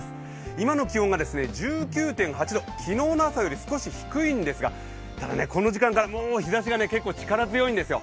今の気温が１９．８度、昨日の朝より少し低いんですがこの時間から日ざしがもう結構、力強いんですよ。